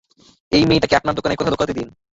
এই মেয়েটাকে আপনার দোকানের কোথাও লুকাতে দিন।